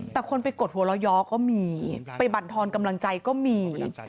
แต่คนไปกดหัวเราย้อก็มีไปบรรทอนกำลังใจก็มี